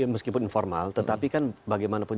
meskipun informal tetapi kan bagaimanapun